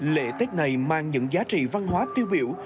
lễ tết này mang những giá trị văn hóa tiêu biểu